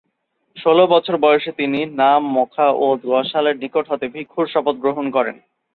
ষোল বছর বয়সে তিনি নাম-ম্খা'-'ওদ-গ্সালের নিকট হতে ভিক্ষুর শপথ গ্রহণ করেন।